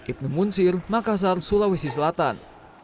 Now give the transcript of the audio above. ibnu munsir makassar sulawesi selatan